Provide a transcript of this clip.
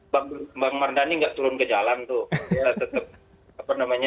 bang mardhani nggak turun ke jalan tuh